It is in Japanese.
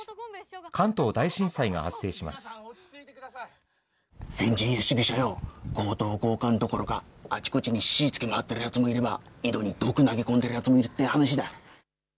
関東大震災が発生します。、強かんどころか、あちこちに火つけまわってるやつもいれば、井戸に毒投げ込んでるやつもいるって話だ。